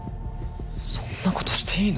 そんなことしていいの？